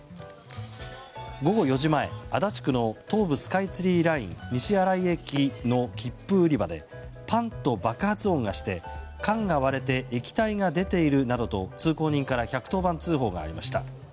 午後４時前、足立区の東武スカイツリーライン西新井駅の切符売り場でパンと爆発音がして缶が割れて液体が出ているなどと通行人から１１０番通報がありました。